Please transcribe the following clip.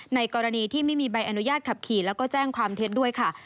ในกรณีที่ไม่มีใบอนุญาตขับขี่แล้วก็แจ้งความเท็จด้วยค่ะ